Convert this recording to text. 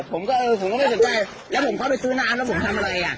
ผมก็เออผมก็ไม่สนใจแล้วผมเข้าไปซื้อน้ำแล้วผมทำอะไรอ่ะ